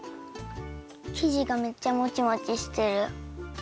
きじがめっちゃもちもちしてる。